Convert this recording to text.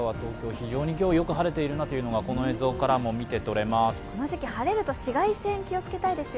よく晴れているなというのも、この映像からも見てとれます。